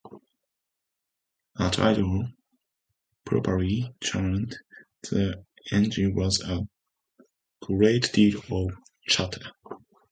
At idle, properly tuned, the engine has a great deal of 'chatter.